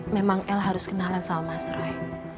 memang el harus kenalan sama mas roy